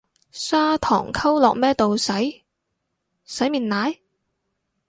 砂糖溝落咩度洗，洗面奶？